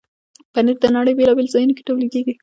پنېر د نړۍ بیلابیلو ځایونو کې تولیدېږي.